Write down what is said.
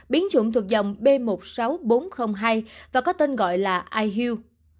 biến chủng thuộc dòng b một mươi sáu nghìn bốn trăm linh hai và có tên gọi là ihu